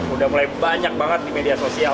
udah mulai banyak banget di media sosial